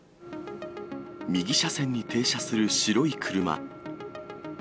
右車線に停車する白い車。